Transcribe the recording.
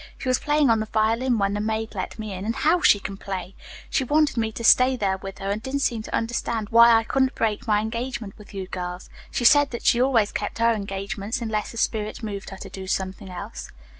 She was playing on the violin when the maid let me in, and how she can play! She wanted me to stay there with her and didn't seem to understand why I couldn't break my engagement with you girls. She said that she always kept her engagements unless the spirit moved her to do something else."